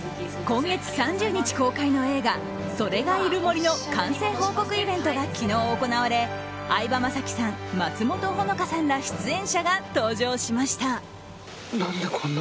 今月３０日公開の映画「“それ”がいる森」の完成報告イベントが昨日行われ相葉雅紀さん、松本穂香さんら出演者が登場しました。